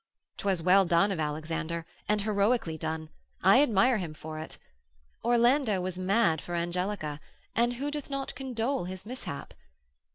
'Twas well done of Alexander, and heroically done; I admire him for it. Orlando was mad for Angelica, and who doth not condole his mishap?